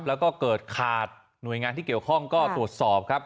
แล้วก็เกิดขาดหน่วยงานที่เกี่ยวข้องก็ตรวจสอบครับ